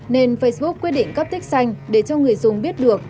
nên facebook quyết định cắp tích xanh để cho người dùng biết được